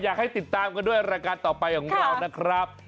อยากให้ติดตามกันด้วยรายการต่อไปของเรานะครับ